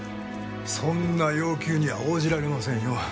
そんな要求には応じられませんよ。